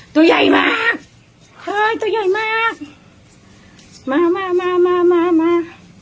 ตัวใหญ่มากเฮ้ยตัวใหญ่มากมามามามามา